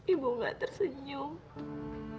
ibu gak tersenyum